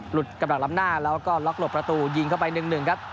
กำลังล้ำหน้าแล้วก็ล็อกหลบประตูยิงเข้าไป๑๑ครับ